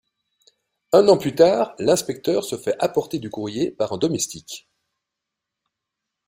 Un an plus tard, l'inspecteur se fait apporter du courrier par un domestique.